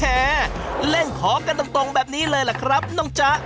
เล่นขอกันตรงแบบนี้เลยล่ะครับน้องจ๊ะ